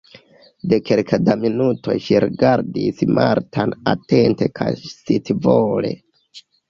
De kelke da minutoj ŝi rigardis Martan atente kaj scivole.